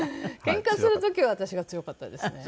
ケンカする時は私が強かったですね。